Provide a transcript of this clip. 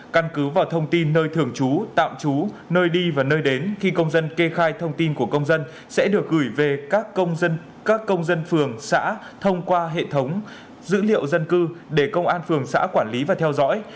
căn cứ vào thông tin nơi thường trú tạm trú nơi đi và nơi đến khi công dân kê khai thông tin của công dân sẽ được gửi về các công dân phường xã thông qua hệ thống dữ liệu dân cư để công an phường xã quản lý và theo dõi